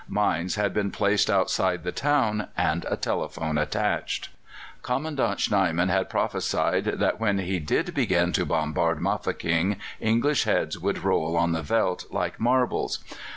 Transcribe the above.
Mines had been placed outside the town, and a telephone attached. Commandant Snyman had prophesied that when he did begin to bombard Mafeking English heads would roll on the veldt like marbles.